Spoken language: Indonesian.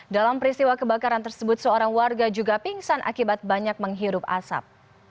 dalam peristiwa kebakaran tersebut seorang warga juga pingsan akibat banyak menghirup asap